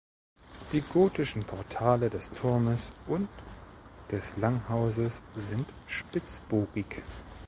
Die gotischen Portale des Turmes und des Langhauses sind spitzbogig.